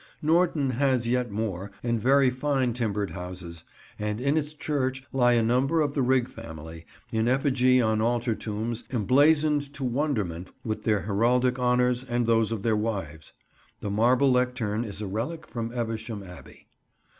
Norton has yet more, and very fine timbered houses, and in its church lie a number of the Rigg family, in effigy on altar tombs emblazoned to wonderment with their heraldic honours and those of their wives. The marble lectern is a relic from Evesham Abbey.